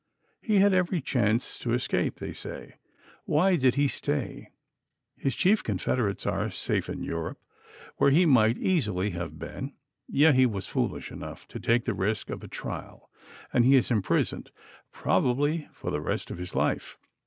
He had every chance to escape, they say; why did he stay? His chief confederates are safe in Europe, where he might easily have been, yet he was foolish enough to take the risk of a trial, and he is imprisoned, probably for the rest of his life.